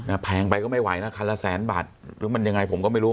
แพงไปก็ไม่ไหวนะคันละแสนบาทหรือมันยังไงผมก็ไม่รู้